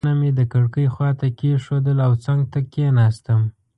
بیکونه مې د کړکۍ خواته کېښودل او څنګ ته کېناستم.